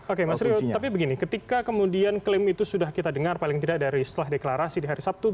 oke mas rio tapi begini ketika kemudian klaim itu sudah kita dengar paling tidak dari setelah deklarasi di hari sabtu